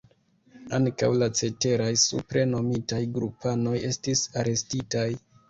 Ankaŭ la ceteraj supre nomitaj grupanoj estis arestitaj.